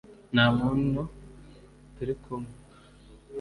nta munto turi kumwe